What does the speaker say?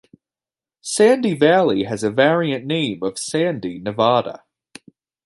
Sandy Valley has a variant name of Sandy, Nevada.